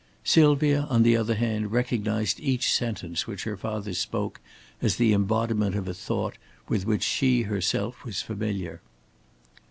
Sylvia, on the other hand, recognized each sentence which her father spoke as the embodiment of a thought with which she was herself familiar.